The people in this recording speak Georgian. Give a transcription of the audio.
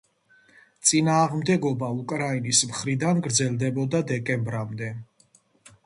წინააღმდეგობა უკრაინის მხრიდან გრძელდებოდა დეკემბრამდე.